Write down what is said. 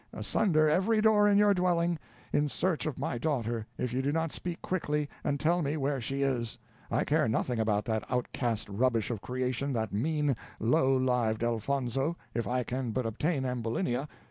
"asunder every door in your dwelling, in search of my daughter, if you do not speak quickly, and tell me where she is. I care nothing about that outcast rubbish of creation, that mean, low lived Elfonzo, if I can but obtain Ambulinia.